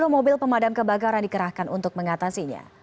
dua puluh mobil pemadam kebakaran dikerahkan untuk mengatasinya